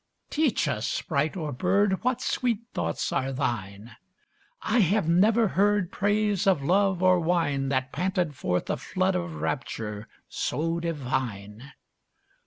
Teach us, sprite or bird, What sweet thoughts are thine: I have never heard Praise of love or wine That panted forth a flood of rapture so divine.